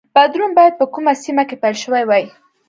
بدلون باید په کومه سیمه کې پیل شوی وای.